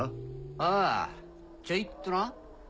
ああちょいっとな。